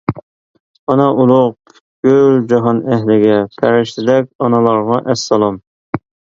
ئانا ئۇلۇغ پۈتكۈل جاھان ئەھلىگە، پەرىشتىدەك ئانىلارغا ئەسسالام.